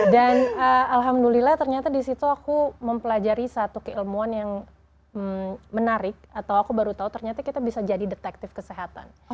dan alhamdulillah ternyata disitu aku mempelajari satu keilmuan yang menarik atau aku baru tahu ternyata kita bisa jadi detektif kesehatan